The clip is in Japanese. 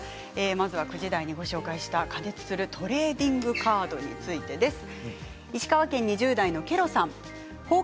まずは９時台にご紹介した加熱するトレーディングカードについてです。